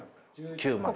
９まで。